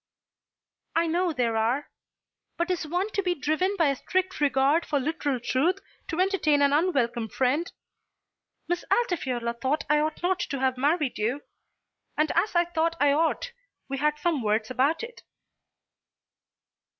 "I know there are. But is one to be driven by a strict regard for literal truth to entertain an unwelcome friend? Miss Altifiorla thought that I ought not to have married you, and as I thought I ought we had some words about it."